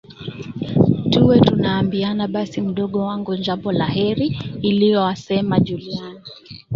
tuwe tunaambiana basi mdogo wangu jambo la kheri hiloalisema Juliana